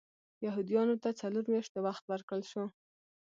یهودیانو ته څلور میاشتې وخت ورکړل شو.